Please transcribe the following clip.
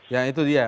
ya itu dia